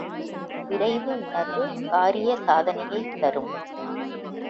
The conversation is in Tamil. விரைவு உணர்வு காரிய சாதனையைத் தரும்.